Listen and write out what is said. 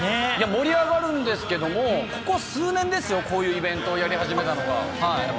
盛り上がるんですけれども、ここ数年ですよ、こういうイベントをやり始めたのが。